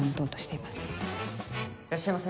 いらっしゃいませ。